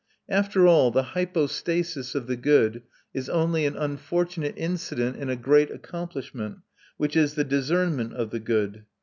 After all, the hypostasis of the good is only an unfortunate incident in a great accomplishment, which is the discernment of the good.